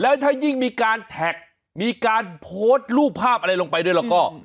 แล้วถ้ายิ่งมีการแท็กมีการโพสต์รูปภาพอะไรลงไปด้วยแล้วก็